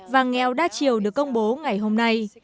và nghèo đa chiều được công bố ngày hôm nay